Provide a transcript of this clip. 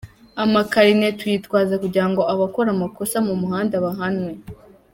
Amakarine tuyitwaza kugira ngo abakora amakosa mu muhanda bahanwe.